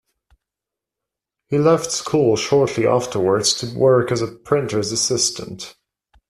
He left school shortly afterwards to work as a printer's assistant.